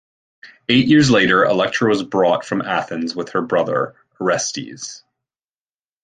Eight years later, Electra was brought from Athens with her brother, Orestes.